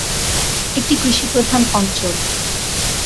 একটি কৃষিপ্রধান অঞ্চল।